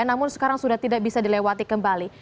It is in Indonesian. namun sekarang sudah tidak bisa dilewati kembali